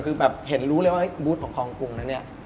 คือแบบเห็นรู้เลยว่าบูธของคลองกรุงนะเนี่ย